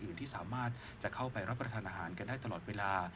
ความที่สามารถอห์แบบจะเข้าไปรับกระถานอาหารกันได้ตลอดเวลา